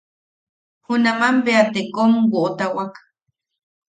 Junaman bea te kom woʼotawak.